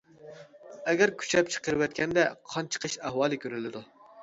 ئەگەر كۈچەپ چىقىرىۋەتكەندە، قان چىقىش ئەھۋالى كۆرۈلىدۇ.